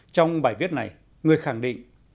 trong bài viết này người khẳng định